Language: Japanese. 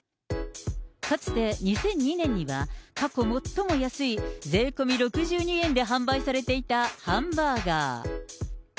かつて２００２年には、過去最も安い税込み６２円で販売されていたハンバーガー。